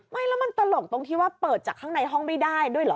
ไม่แล้วมันตลกตรงที่ว่าเปิดจากข้างในห้องไม่ได้ด้วยเหรอ